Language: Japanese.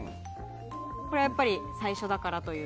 これはやっぱり最初だからという？